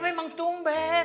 ya memang tumben